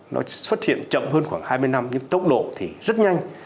nó xuất hiện chậm hơn khoảng hai mươi năm nhưng tốc độ thì rất nhanh